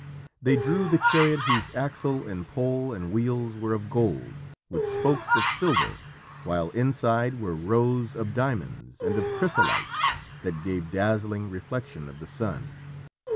They drew the chariot whose axle and pole and wheels were of gold, with spokes of silver, while inside were rows of diamonds and of chrysolites that gave dazzling reflection of the sun.